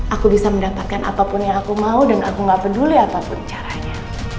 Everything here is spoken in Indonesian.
aku bisa mendapatkan apapun yang aku mau dan aku gak peduli apapun caranya